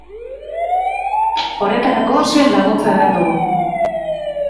Horretarako, zuen laguntza behar dugu.